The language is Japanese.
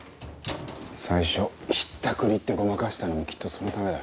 最初ひったくりってごまかしたのもきっとそのためだ。